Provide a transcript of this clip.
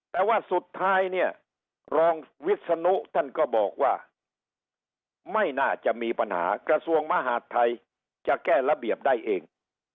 แต่ว่าสุดท้ายเนี่ยรองวิศนุท่านก็บอกว่าไม่น่าจะมีปัญหากระทรวงมหาดไทยจะแก้ระเบียบได้เอง